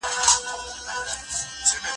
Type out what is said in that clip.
خدای خبر نن شپه به سهار شي کنه؟